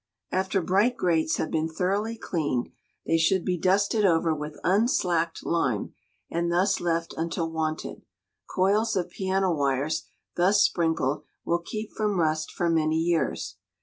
After bright grates have been thoroughly cleaned, they should be dusted over with unslacked lime, and thus left until wanted. Coils of piano wires, thus sprinkled, will keep from rust for many years.